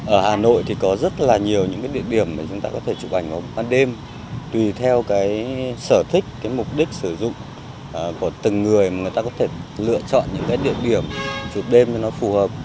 ở hà nội thì có rất là nhiều những địa điểm mà chúng ta có thể chụp ảnh vào đêm tùy theo sở thích mục đích sử dụng của từng người mà người ta có thể lựa chọn những địa điểm chụp đêm cho nó phù hợp